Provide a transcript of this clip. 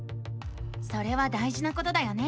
それは大じなことだよね。